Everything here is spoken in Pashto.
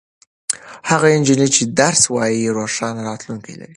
هغه نجلۍ چې درس وايي روښانه راتلونکې لري.